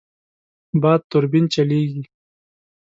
باد توربین چلېږي.